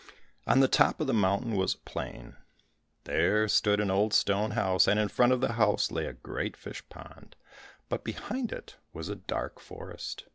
On the top of the mountain was a plain; there stood an old stone house, and in front of the house lay a great fish pond, but behind it was a dark forest.